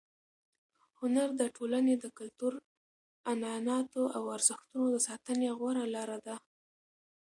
هنر د ټولنې د کلتور، عنعناتو او ارزښتونو د ساتنې غوره لار ده.